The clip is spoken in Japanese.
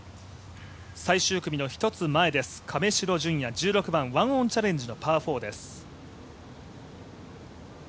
最終組の１つ前です、亀代順哉１６番、１オンチャレンジのパー４です。